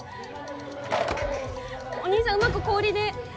おにいさんうまく氷で。